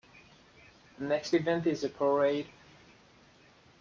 The next event is a parade.